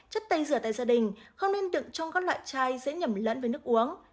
chất tẩy dừa tại gia đình không nên đựng trong các loại chai dễ nhầm lẫn với nước uống